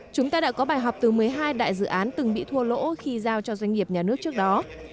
chúng ta đã có bài học từ một mươi hai đại dự án từng bị thua lỗ khi giao cho doanh nghiệp nhà nước trước đó